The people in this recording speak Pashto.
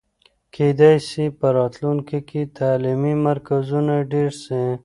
کېدای سي په راتلونکي کې تعلیمي مرکزونه ډېر سي.